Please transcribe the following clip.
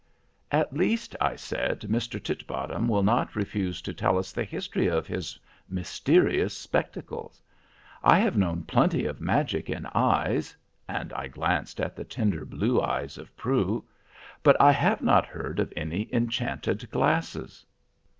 "At least," I said, "Mr. Titbottom will not refuse to tell us the history of his mysterious spectacles. I have known plenty of magic in eyes"—and I glanced at the tender blue eyes of Prue—"but I have not heard of any enchanted glasses."